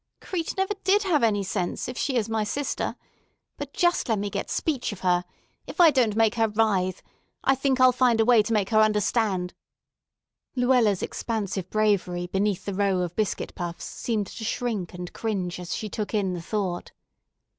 Crete never did have any sense, if she is my sister. But just let me get speech of her! If I don't make her writhe. I think I'll find a way to make her understand——" Luella's expansive bravery beneath the row of biscuit puffs seemed to shrink and cringe as she took in the thought.